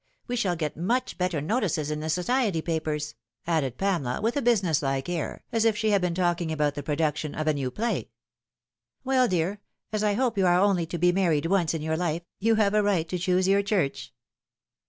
"We shall get much better notices in the society papers," added Pamela, with a business like air, as if she had been talking about the production of a new play. " Well, dear, as I hope you are only to be married once in your life, you have a right to choose your church."